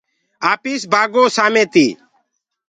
آپيس بآگو سآمي تي